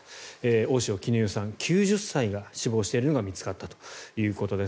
大塩衣與さん、９０歳が死亡しているのが見つかったということです。